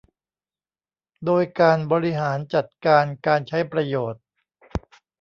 โดยการบริหารจัดการการใช้ประโยชน์